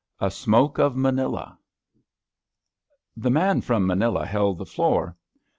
A SMOKE OF MANILA rpHE man from Manila held the floor.